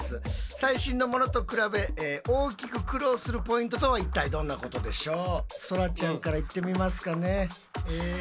最新のものと比べ大きく苦労するポイントとは一体どんなことでしょう？